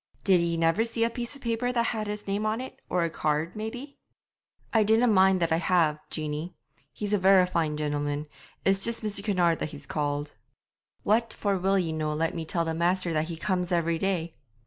'Did ye never see a piece of paper that had his name on it, or a card, maybe?' 'I dinna mind that I have, Jeanie. He's a verra fine gentleman; it's just Mr. Kinnaird that he's called.' 'What for will ye no let me tell the master that he comes every day?'